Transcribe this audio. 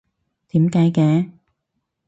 點解嘅？